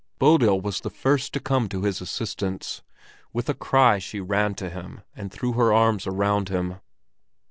Bodil was the first to come to his assistance. With a cry she ran to him and threw her arms about him.